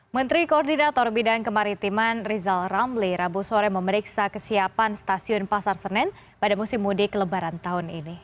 menteri koordinator bidang kemaritiman rizal ramli rabu sore memeriksa kesiapan stasiun pasar senen pada musim mudik lebaran tahun ini